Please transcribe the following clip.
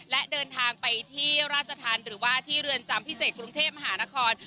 และเดินทางไปที่ราชธรรมหรือว่าที่เรือนจำพิเศษกรุงเทพมหานคร